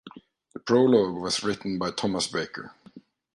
The prologue was written by Thomas Baker.